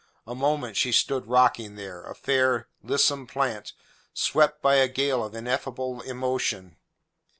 A moment she stood rocking there a fair, lissom plant swept by a gale of ineffable emotion.